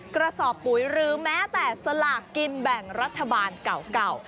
กระสอบปุ๋ยหรือแม้แต่สลากกินแบ่งรัฐบาลเก่า